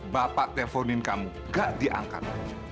bapak telponin kamu gak diangkat